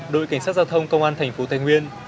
đội cảnh sát giao thông công an thành phố thái nguyên